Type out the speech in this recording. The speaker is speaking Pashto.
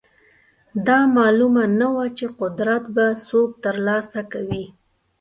دا معلومه نه وه چې قدرت به څوک ترلاسه کوي.